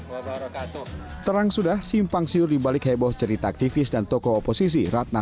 wabarakatuh terang sudah simpang siur di balik heboh cerita aktivis dan tokoh oposisi ratna